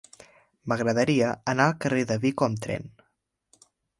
M'agradaria anar al carrer de Vico amb tren.